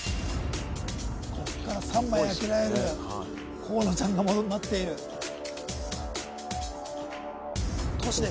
ここから３枚開けられる河野ちゃんが待っている都市です